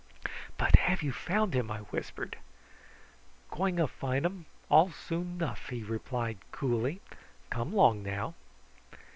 "But have you found him?" I whispered. "Going a find um; all soon nuff!" he replied coolly. "Come long now."